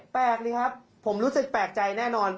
แปลกดีครับผมรู้สึกแปลกใจแน่นอน